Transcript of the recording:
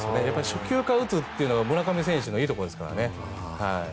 初球から打つっていうのが村上選手のいいところですからね。